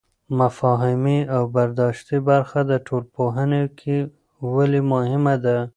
مفاهیمي او برداشتي برخه د ټولنپوهنه کې ولې مهمه ده؟